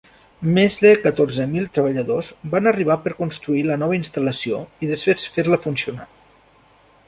Més de catorze mil treballadors van arribar per construir la nova instal·lació i després fer-la funcionar.